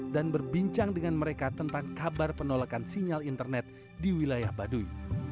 dan berbincang dengan mereka tentang kabar penolakan sinyal internet di wilayah baduy